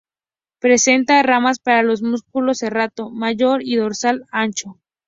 Presenta ramas para los músculos serrato mayor y dorsal ancho.